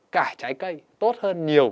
cải trái cây tốt hơn nhiều